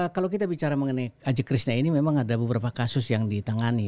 kalau kita bicara mengenai ajek krishna ini memang ada beberapa kasus yang ditangani